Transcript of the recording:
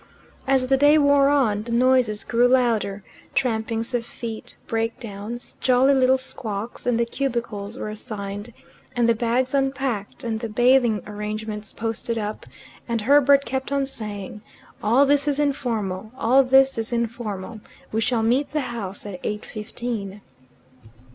As the day wore on, the noises grew louder trampings of feet, breakdowns, jolly little squawks and the cubicles were assigned, and the bags unpacked, and the bathing arrangements posted up, and Herbert kept on saying, "All this is informal all this is informal. We shall meet the house at eight fifteen."